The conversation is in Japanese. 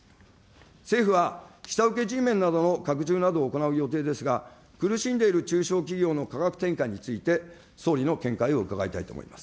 政府は下請けＧメンなどの拡充などを行う予定ですが、苦しんでいる中小企業の価格転嫁について、総理の見解を伺いたいと思います。